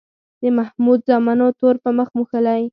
د محمود زامنو تور په مخ موښلی.